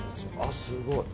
すごい。